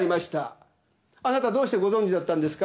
あなたどうしてご存じだったんですか？